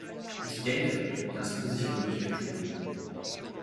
Ich denke, dass muss ich wirklich betonen.